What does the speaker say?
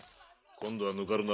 今度はぬかるな。